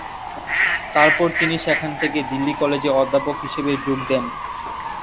তারপর তিনি সেখান থেকে দিল্লি কলেজে অধ্যাপক হিসেবে যোগ দেন।